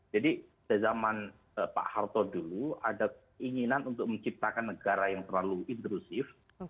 jadi pada zaman pak harto dulu ada inginan untuk menciptakan negara yang terlalu intrusif